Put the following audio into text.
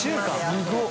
すごい。